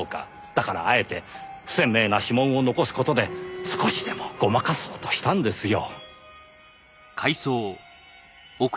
だからあえて不鮮明な指紋を残す事で少しでもごまかそうとしたんですよ。